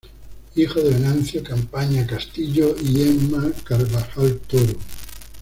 Hijo de Venancio Campaña Castillo y Ema Carvajal Toro.